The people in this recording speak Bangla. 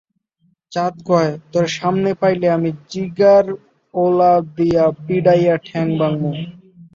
চাঁদ কয়, তরে সামনে পাইলে আমি জিগার ওলা দিয়া পিডাইয়া ঠ্যাং ভাঙমু।